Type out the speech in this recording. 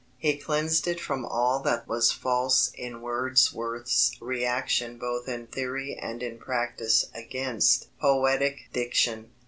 He cleansed it from all that was false in Wordsworth's reaction both in theory and in practice against "poetic diction."